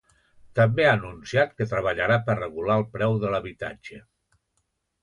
També ha anunciat que treballarà per regular el preu de l'habitatge.